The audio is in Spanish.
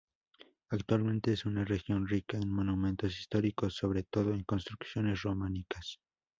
Actualmente es una región rica en monumentos históricos, sobre todo en construcciones románicas.